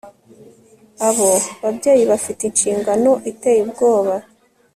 abo babyeyi bafite inshingano iteye ubwoba